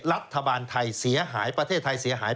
รัฐบาลไทยเสียหายประเทศไทยเสียหาย